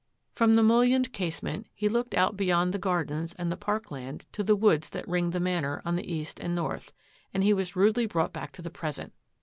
From the mullioned casement he looked out be yond the gardens and the parkland to the woods that ringed the Manor on the east and north, and he was rudely brought back to the present.